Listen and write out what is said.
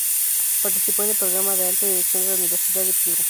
Participó en el Programa de Alta Dirección de la Universidad de Piura.